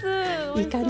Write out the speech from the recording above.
いい感じ？